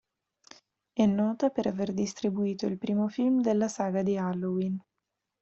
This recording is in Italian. È nota per aver distribuito il primo film della saga di Halloween.